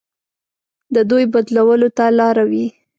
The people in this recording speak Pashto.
د دوی بدلولو ته لاره وي.